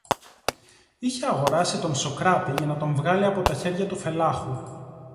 Είχε αγοράσει τον Σωκράτη για να τον βγάλει από τα χέρια του Φελάχου